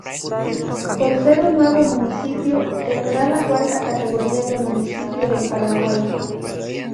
Por ser un nuevo municipio, tendrá la cuarta categoría de Municipio del Paraguay.